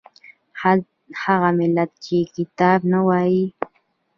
هغه ملت چې کتاب نه وايي